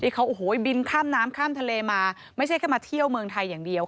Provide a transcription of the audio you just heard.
เขาโอ้โหบินข้ามน้ำข้ามทะเลมาไม่ใช่แค่มาเที่ยวเมืองไทยอย่างเดียว